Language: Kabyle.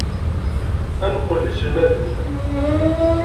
Ad neqqel d iselmaden.